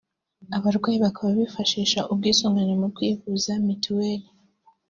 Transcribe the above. abarwayi bakaba bifashisha ubwisungane mu kwivuza Mitiweli